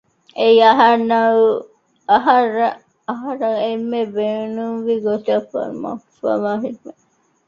އެއީ އަހަރަން އެންމެ ބޭނުންވި ގޮތަށް ފަރުމާ ކޮށްފައިވާ ހެދުމެއް